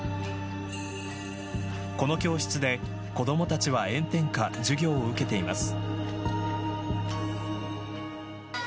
この教室で子どもたちは、炎天下授業を受けています。